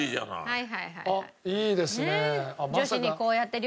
はい。